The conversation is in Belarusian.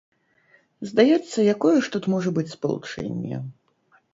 Здаецца, якое ж тут можа быць спалучэнне?